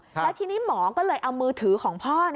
แล้วทีนี้หมอก็เลยเอามือถือของพ่อ